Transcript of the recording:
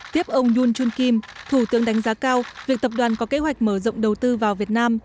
tiếp ông yun jun kim thủ tướng đánh giá cao việc tập đoàn có kế hoạch mở rộng đầu tư vào việt nam